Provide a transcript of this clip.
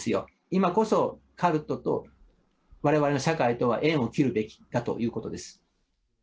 今こそ、カルトとわれわれの社会とは、縁を切るべきだということです。